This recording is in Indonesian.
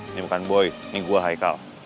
ini bukan boy ini gue hai kal